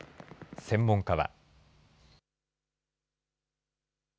専門家は。